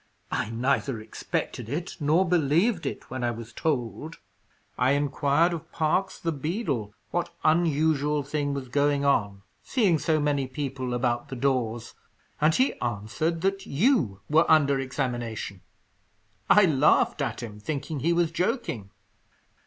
"I neither expected it nor believed it when I was told. I inquired of Parkes, the beadle, what unusual thing was going on, seeing so many people about the doors, and he answered that you were under examination. I laughed at him, thinking he was joking."